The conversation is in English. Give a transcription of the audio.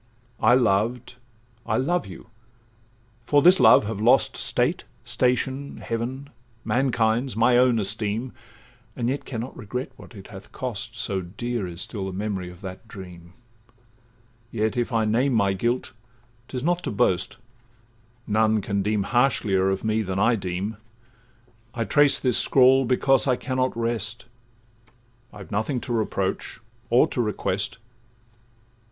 'I loved, I love you, for this love have lost State, station, heaven, mankind's, my own esteem, And yet can not regret what it hath cost, So dear is still the memory of that dream; Yet, if I name my guilt, 'tis not to boast, None can deem harshlier of me than I deem: I trace this scrawl because I cannot rest— I've nothing to reproach, or to request.